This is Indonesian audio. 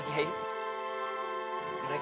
dan kasih bantuan